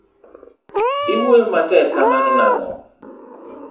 iwuoyo matek kamano nang'o?